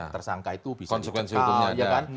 tersangka itu bisa dicekal